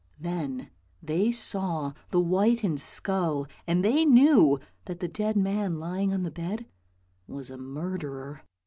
Then they saw the whitened skull, and they knew that the dead man lying on the bed was a murderer.